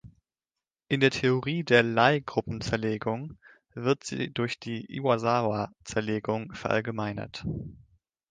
In der Theorie der Lie-Gruppen-Zerlegung wird sie durch die Iwasawa-Zerlegung verallgemeinert.